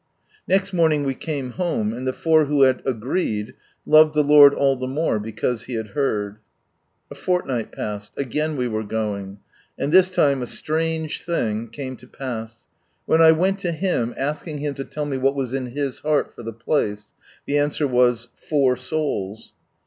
Next morning we came home, and the four who had " agreed " loved the Lord all Ihe more " because He had heard." A fortnight passed; again we were going. And this time a strange thing rthday Gifts 79 came to pass. When I went to Him, asking Him to tell me what was in His heart for the place, the answer was, "/ 'uur souls."